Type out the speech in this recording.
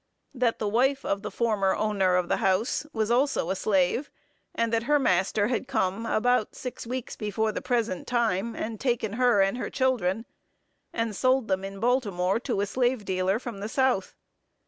That the wife of the former owner of the house was also a slave; and that her master had come about six weeks before the present time, and taken her and her children, and sold them in Baltimore to a slave dealer from the South.